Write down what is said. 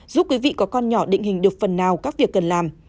giúp quý vị có con nhỏ định hình được phần nào các việc cần làm